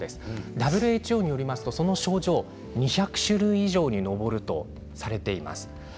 ＷＨＯによりますと、その症状は２００以上に上るとされています。